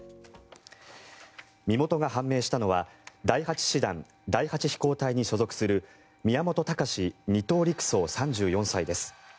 身元が判明したのは第８師団第８飛行隊に所属する宮本敬士２等陸曹、３４歳です。